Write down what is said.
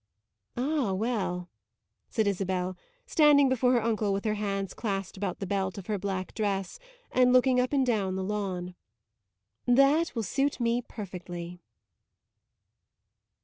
"Ah well," said Isabel, standing before her uncle with her hands clasped about the belt of her black dress and looking up and down the lawn "that will suit me perfectly!"